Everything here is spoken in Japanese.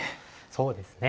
そうですね。